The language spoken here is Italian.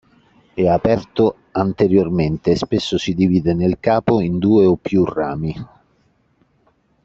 È aperto anteriormente e spesso si divide nel capo in due o più rami.